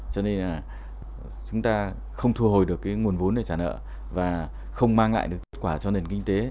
cho nên là chúng ta không thu hồi được cái nguồn vốn để trả nợ và không mang lại được kết quả cho nền kinh tế